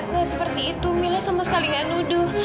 wah seperti itu mila sama sekali gak nuduh